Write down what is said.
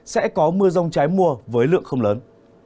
sẽ có mưa rông trái mùa với lượng không lớn